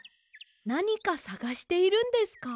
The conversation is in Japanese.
なにかさがしているんですか？